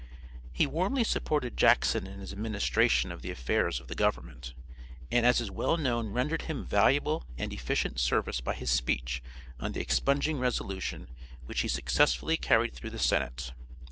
He warmly supported Jackson in his administration of the affairs of the government, and as is well known rendered him valuable and efficient service by his speech on the expunging resolution which he successfully carried through the senate.